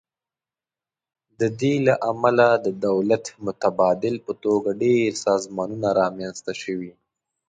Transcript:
د دې له امله د دولت متبادل په توګه ډیر سازمانونه رامینځ ته شوي.